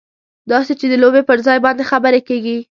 داسې چې د لوبې پر ځای باندې خبرې کېږي.